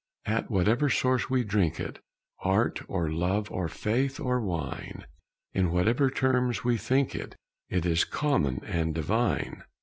At whatever source we drink it, Art or love or faith or wine, In whatever terms we think it, It is common and divine.